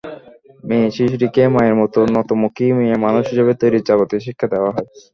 মেয়েশিশুটিকে মায়ের মতো নতমুখী মেয়েমানুষ হিসেবে তৈরির যাবতীয় শিক্ষা দেওয়া হয়।